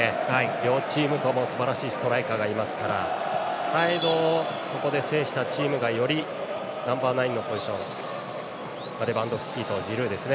両チームともすばらしいストライカーがいますからサイドをそこで制したチームがより、ナンバー９のポジションレバンドフスキとジルーですね